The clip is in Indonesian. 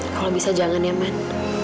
kalau bisa jangan ya man